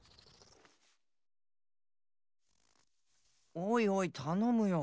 おいおい頼むよ。